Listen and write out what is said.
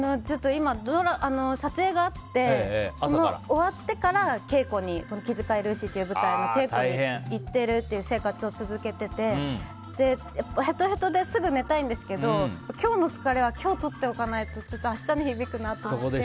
今、撮影があって終わってから「気づかいルーシー」という舞台の稽古に行ってるという生活を続けててへとへとですぐ寝たいんですけど今日の疲れは今日取っておかないと明日に響くなと思って。